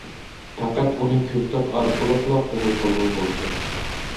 پەقەت ئۇنى كۆكتات ئارقىلىقلا قوبۇل قىلغىلى بولىدىكەن.